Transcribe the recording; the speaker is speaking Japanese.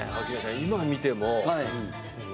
今見ても。